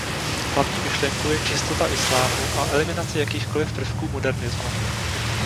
Hlavní myšlenkou je čistota islámu a eliminace jakýchkoliv prvků modernismu.